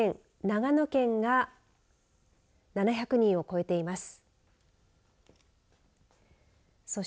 長野県が７００人を超えています。